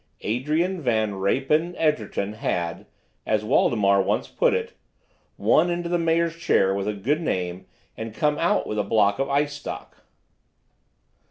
Adrian Van Reypen Egerton had, as Waldemar once put it, "—one into the mayor's chair with a good name and come out with a block of ice stock."